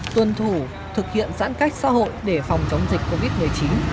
tuân thủ thực hiện giãn cách xã hội để phòng chống dịch covid một mươi chín